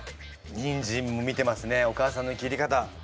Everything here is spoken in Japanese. にんじんも見てますねお母さんの切り方。